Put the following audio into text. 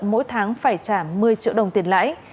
mỗi tháng phải trả một mươi triệu đồng tiền lãi